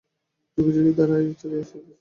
যুগে যুগে এই ধারাই চলিয়া আসিতেছে।